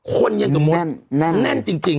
โค้นเย็นตัวหมดแน่นจริง